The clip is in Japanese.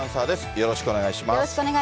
よろしくお願いします。